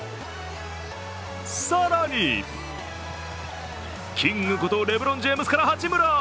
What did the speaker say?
更に、キングことレブロン・ジェームズから八村！